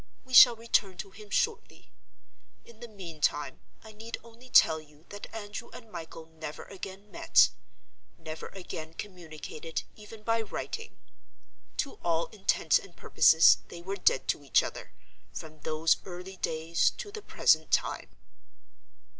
We shall return to him shortly. In the meantime, I need only tell you that Andrew and Michael never again met—never again communicated, even by writing. To all intents and purposes they were dead to each other, from those early days to the present time.